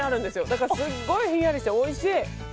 だからすごいひんやりしておいしい！